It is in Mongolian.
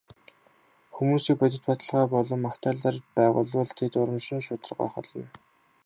Хүмүүсийг бодит баталгаа болон магтаалаар байгуулбал тэд урамшин шударга байх болно.